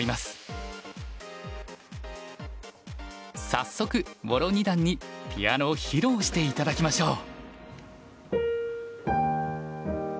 早速茂呂二段にピアノを披露して頂きましょう。